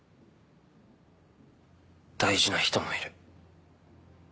大事な人もいる。